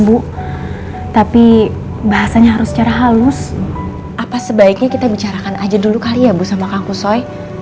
bu tapi bahasanya harus secara halus apa sebaiknya kita bicarakan aja dulu kali ya bu sama kang kusoi